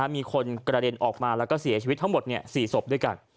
มีคนกระเด็นออกมาแล้วก็เสียชีวิตทั้งหมด๔ศพด้วยกัน